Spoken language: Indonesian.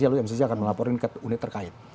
lalu mcc akan melaporin ke unit terkait